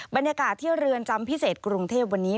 บรรยากาศที่เรือนจำพิเศษกรุงเทพวันนี้